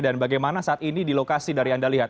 dan bagaimana saat ini di lokasi dari anda lihat